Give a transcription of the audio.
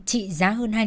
trị giá hơn một triệu đồng